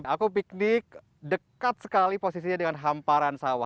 aku piknik dekat sekali posisinya dengan hamparan sawah